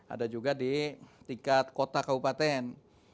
ada juga di tingkat kota kabupaten